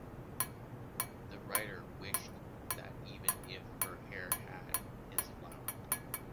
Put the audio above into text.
The writer wished that even if her hair had this flower.